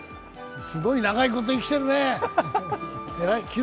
すごい長いこと生きてるね、偉い。